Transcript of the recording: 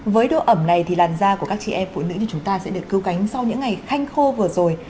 với độ ẩm này thì làn da của các chị em phụ nữ thì chúng ta sẽ được cứu cánh sau những ngày khanh khô vừa rồi